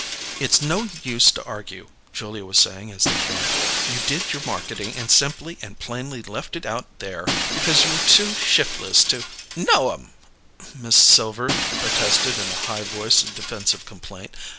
"It's no use to argue," Julia was saying as they came. "You did your marketing and simply and plainly left it out there because you were too shiftless to " "No'm," Mrs. Silver protested in a high voice of defensive complaint.